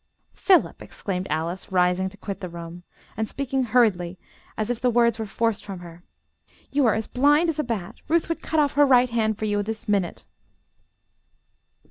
"Philip," exclaimed Alice, rising to quit the room, and speaking hurriedly as if the words were forced from her, "you are as blind as a bat; Ruth would cut off her right hand for you this minute."